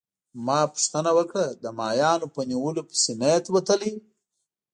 ما پوښتنه وکړه: د ماهیانو په نیولو پسي نه يې وتلی؟